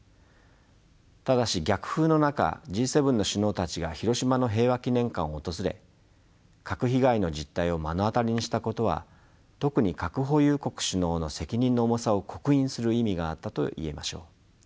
ただし逆風の中Ｇ７の首脳たちが広島の平和記念館を訪れ核被害の実態を目の当たりにしたことは特に核保有国首脳の責任の重さを刻印する意味があったと言えましょう。